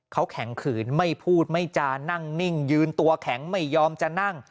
เขาแข็งขืนไม่พูดไม่จานั่งนิ่งยืนตัวแข็งไม่ยอมจะนั่ง